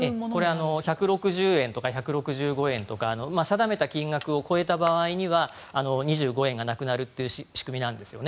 これ、１６０円とか１６５円とか定めた金額を超えた場合には２５円がなくなるという仕組みなんですよね。